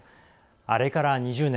あれから２０年。